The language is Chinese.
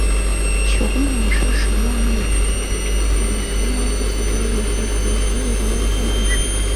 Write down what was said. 球蟒是蛇亚目蟒科蟒属下一种分布于非洲的无毒蟒蛇。